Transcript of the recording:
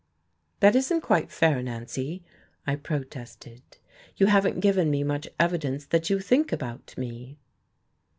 "That isn't quite fair, Nancy," I protested. "You haven't given me much evidence that you did think about me."